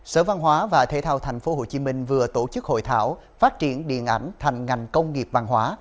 sở văn hóa và thể thao tp hcm vừa tổ chức hội thảo phát triển điện ảnh thành ngành công nghiệp văn hóa